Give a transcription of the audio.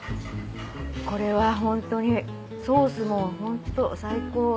これはホントにソースもホント最高。